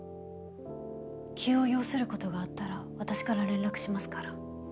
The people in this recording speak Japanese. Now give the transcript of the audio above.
急を要する事があったら私から連絡しますから。